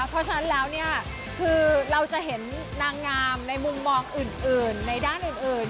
เพราะฉะนั้นแล้วเนี่ยคือเราจะเห็นนางงามในมุมมองอื่นในด้านอื่น